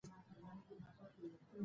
موږ باید هدفمند پلان جوړ کړو.